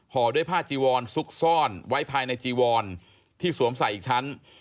ด้วยผ้าจีวอนซุกซ่อนไว้ภายในจีวอนที่สวมใส่อีกชั้น